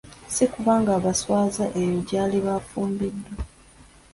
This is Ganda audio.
Si kulwa ng'abaswaza eyo gy'aliba afumbiddwa.